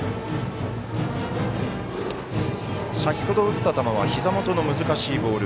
先ほど打った球はひざ元の難しいボール。